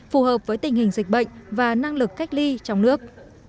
phù hợp với tình hình dịch bệnh và năng lực cách ly trong nước